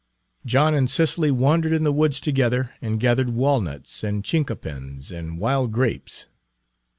John and Cicely wandered in the woods together and gathered walnuts, and chinquapins and wild grapes.